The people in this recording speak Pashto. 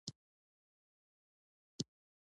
سپينه وزه او سپی زخمي پراته دي.